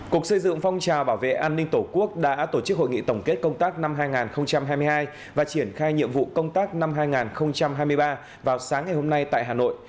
cục xây dựng phong trào bảo vệ an ninh tổ quốc đã tổ chức hội nghị tổng kết công tác năm hai nghìn hai mươi hai và triển khai nhiệm vụ công tác năm hai nghìn hai mươi ba vào sáng ngày hôm nay tại hà nội